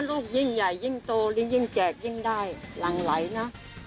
ลูกยิ่งใหญ่ยิ่งโตหรือยิ่งแจกยิ่งได้หลังไหลนะ